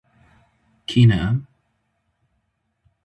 Kî ne em?